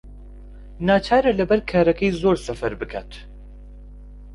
ناچارە لەبەر کارەکەی زۆر سەفەر بکات.